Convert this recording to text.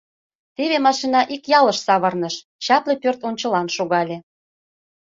Теве машина ик ялыш савырныш, чапле пӧрт ончылан шогале.